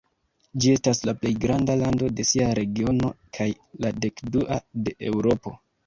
Ĝi estas la plej granda lando de sia regiono kaj la dekdua de Eŭropo.